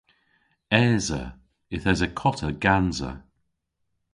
Esa. Yth esa kota gansa.